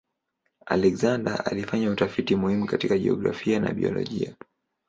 Alexander alifanya utafiti muhimu katika jiografia na biolojia.